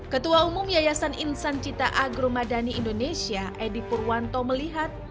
ketua umum yayasan insan cita agro madani indonesia edi purwanto melihat